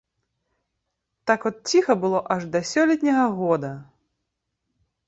Так от ціха было аж да сёлетняга года.